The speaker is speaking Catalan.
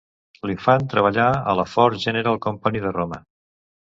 L'Infant treballà a la Ford General Company de Roma.